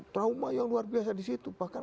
trauma yang luar biasa di situ bahkan